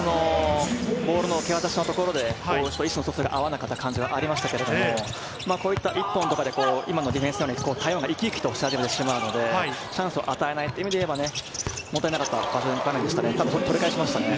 ボールの受け渡しのところで、意思の疎通が合わなかった感じはありましたけれども、こういった１本とかで今のディフェンスで台湾が生き生きし始めてしまうのでチャンスを与えないという意味で言えば、もったいなかった場面ですね。